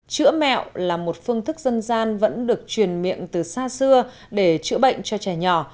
chữa mẹo là một phương thức dân gian vẫn được truyền miệng từ xa xưa để chữa bệnh cho trẻ nhỏ